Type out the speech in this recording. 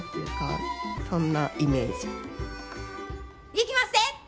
いきまっせ！